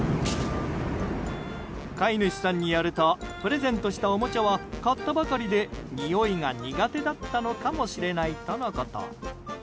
飼い主さんによるとプレゼントしたおもちゃは買ったばかりでにおいが苦手だったのかもしれないとのこと。